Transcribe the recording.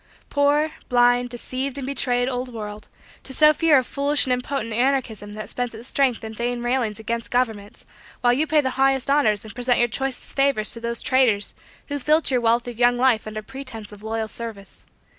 Poor, blind, deceived and betrayed, old world; to so fear a foolish and impotent anarchism that spends its strength in vain railings against governments while you pay highest honors and present your choicest favors to those traitors who filch your wealth of young life under pretense of loyal service.